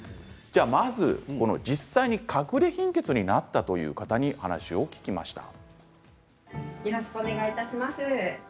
まず実際にかくれ貧血になったという方にお話を聞きました。